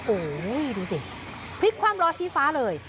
โอ้โหดูสิพลิกความล้อชี้ฟ้าเลย